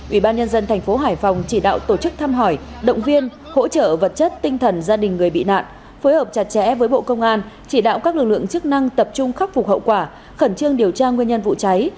ủy ban nhân dân thành phố hải phòng chỉ đạo tổ chức thăm hỏi động viên hỗ trợ vật chất tinh thần gia đình người bị nạn phối hợp chặt chẽ với bộ công an chỉ đạo các lực lượng chức năng tập trung khắc phục hậu quả khẩn trương điều tra nguyên nhân vụ cháy